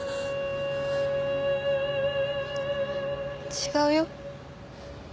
違うよ。